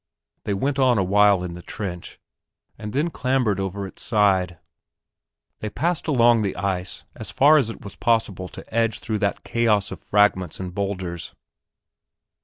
They went on a while in the trench and then clambered over its side. They passed along the ice, as far as it was possible to edge through that chaos of fragments and boulders.